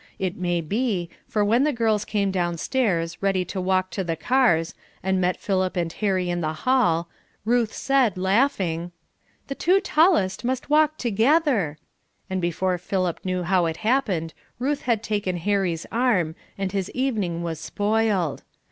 It may be, for when the girls came down stairs, ready to walk to the cars; and met Philip and Harry in the hall, Ruth said, laughing, "The two tallest must walk together" and before Philip knew how it happened Ruth had taken Harry's arm, and his evening was spoiled.